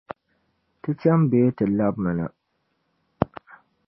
Ti cham bee ti labimna?